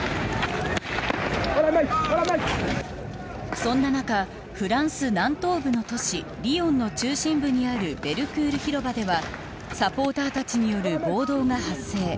そんな中、フランス南東部の都市リヨンの中心部にあるベルクール広場ではサポーターたちによる暴動が発生。